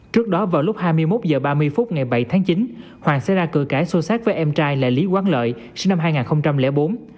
trước đó vào lúc hai mươi một h ba mươi phút ngày bảy tháng chín hoàng xảy ra cửa cãi xô sát với em trai là lý quán lợi sinh năm hai nghìn bốn